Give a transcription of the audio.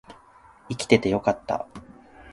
生きててよかった